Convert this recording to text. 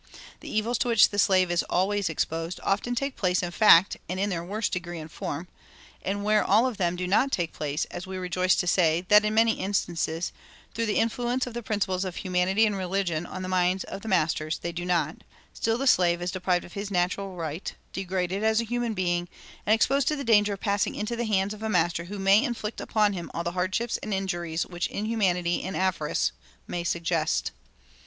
The evils to which the slave is always exposed often take place in fact, and in their worst degree and form; and where all of them do not take place, as we rejoice to say that in many instances, through the influence of the principles of humanity and religion on the minds of masters, they do not, still the slave is deprived of his natural right, degraded as a human being, and exposed to the danger of passing into the hands of a master who may inflict upon him all the hardships and injuries which inhumanity and avarice may suggest.